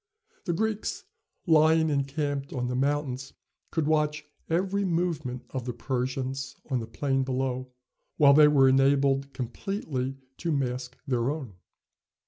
The Greeks, lying encamped on the mountains, could watch every movement of the Persians on the plain below, while they were enabled completely to mask their own.